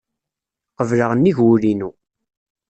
Qebleɣ nnig wul-inu.